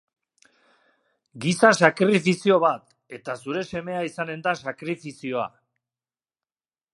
Giza sakrifizio bat, eta zure semea izanen zen sakrifizioa.